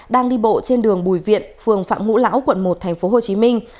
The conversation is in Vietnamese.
đang đi bộ trên đường bùi viện phường phạm ngũ lão quận một tp hồ chí minh